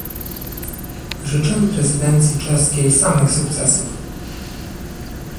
Życzę prezydencji czeskiej samych sukcesów